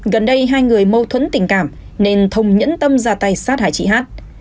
gần đây hai người mâu thuẫn tình cảm nên thông nhẫn tâm ra tay sát hại chị hát